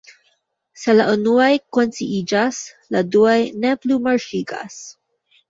Se la unuaj konsciiĝas, la duaj ne plu marŝigas.